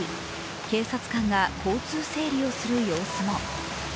警察官が交通整理をする様子も。